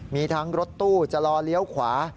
มีทั้งรถตู้จะรอเลี้ยวขวา